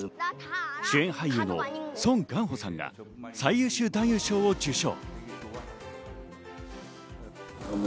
主演俳優のソン・ガンホさんが最優秀男優賞を受賞。